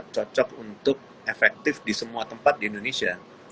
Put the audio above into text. cocok untuk efektif di semua tempat di indonesia